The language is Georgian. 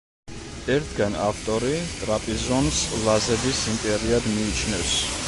ერთგან ავტორი ტრაპიზონს ლაზების იმპერიად მიიჩნევს.